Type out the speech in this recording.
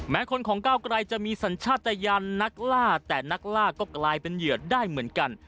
คนของก้าวไกรจะมีสัญชาติยานนักล่าแต่นักล่าก็กลายเป็นเหยื่อได้เหมือนกัน